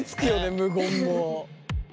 無言も。